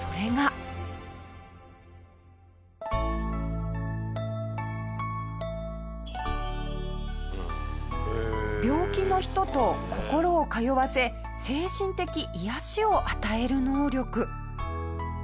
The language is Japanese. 下平：病気の人と心を通わせ精神的癒やしを与える能力。